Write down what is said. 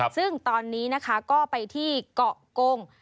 ซึ่งตอนนี้นะคะก็ไปที่เกาะกง